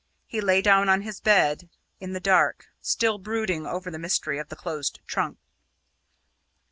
He lay down on his bed in the dark, still brooding over the mystery of the closed trunk.